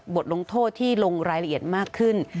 บทลงโทษที่ลงรายละเอียดมากขึ้น